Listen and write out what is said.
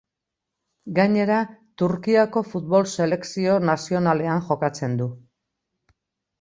Gainera, Turkiako futbol selekzio nazionalean jokatzen du.